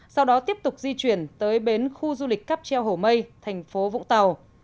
sau đó tiếp tục di chuyển tới bến khu du lịch cắp treo hổ mây tp vũng tàu